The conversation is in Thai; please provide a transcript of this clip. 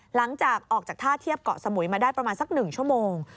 หลังจากออกจากท่าเทียบเกาะสมุยมาได้ประมาณสัก๑ชั่วโมง